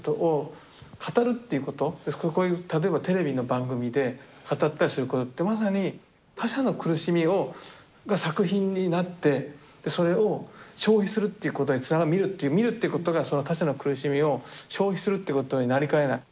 こういう例えばテレビの番組で語ったりすることってまさに他者の苦しみが作品になってそれを消費するっていうことにつながる見るっていうことがその他者の苦しみを消費するっていうことになりかねない。